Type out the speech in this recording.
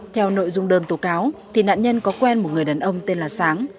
theo nội dung đơn tố cáo thì nạn nhân có quen một người đàn ông tên là sáng